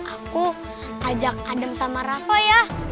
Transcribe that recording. aku ajak adem sama rafa ya